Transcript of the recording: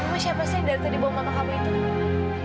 masya allah saya dari tadi bawa mama kamu itu